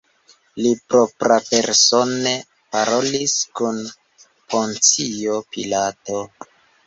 Li proprapersone parolis kun Poncio Pilato.